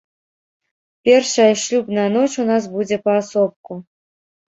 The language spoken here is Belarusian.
Першая шлюбная ноч у нас будзе паасобку.